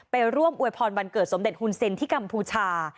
ไปร่วมอวยพรวันเกิดสมเด็จฮุนเซ็นที่กัมพูชา